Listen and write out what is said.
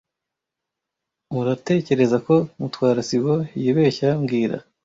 Muratekereza ko Mutwara sibo yibeshye mbwira